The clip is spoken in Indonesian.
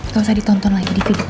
gak usah ditonton lagi di video